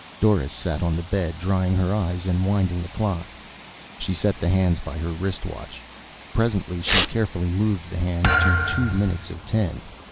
Doris sat on the bed drying her eyes and winding the clock. She set the hands by her wristwatch. Presently she carefully moved the hands to two minutes of ten.